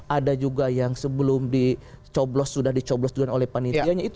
ada juga yang sebelum dicoblos sudah dicoblos oleh panitianya itu